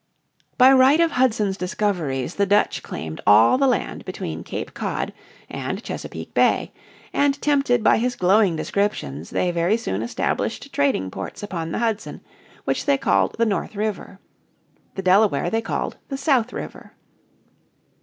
By right of Hudson's discoveries the Dutch claimed all the land between Cape Cod and Chesapeake Bay, and, tempted by his glowing descriptions, they very soon established trading ports upon the Hudson which they called the North River. The Delaware they called the South River.